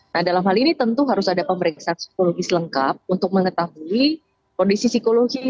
nah dalam hal ini tentu harus ada pemeriksaan psikologis lengkap untuk mengetahui kondisi psikologi